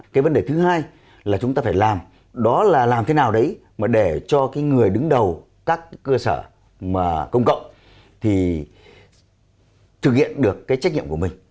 cái vấn đề thứ hai là chúng ta phải làm đó là làm thế nào đấy mà để cho cái người đứng đầu các cơ sở mà công cộng thì thực hiện được cái trách nhiệm của mình